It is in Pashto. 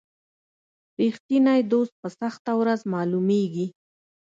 رښتینی دوست په سخته ورځ معلومیږي.